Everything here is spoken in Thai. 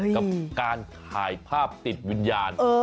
กับการถ่ายภาพติดวิญญาณ